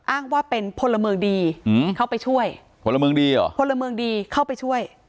อ้างว่าเป็นพลเมิงดีเข้าไปช่วย